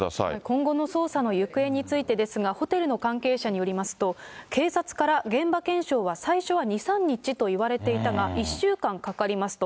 今後の捜査の行方についてですが、ホテルの関係者によりますと、警察から現場検証は最初は２、３日と言われていたが、１週間かかりますと。